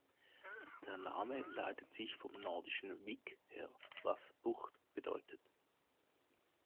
Der Name leitet sich vom nordischen "Vik" her, was „Bucht“ bedeutet.